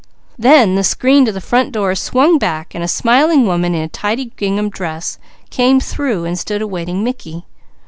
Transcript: Then the screen to the front door swung back as a smiling woman in a tidy gingham dress came through and stood awaiting Mickey.